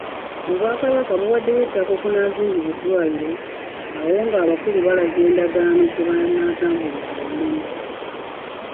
Obwakabaka buwaddeyo ettaka okuzimbibwako eddwaliro awo nga abakulu balaga endagaano kwe banaatambuliza omulimu.